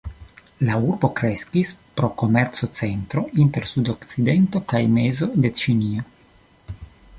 La urbo kreskis pro komerco-centro inter sudokcidento kaj mezo de Ĉinio.